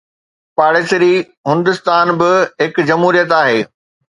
پاڙيسري هندستان به هڪ جمهوريت آهي.